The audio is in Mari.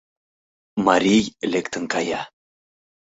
Марий лектын кая.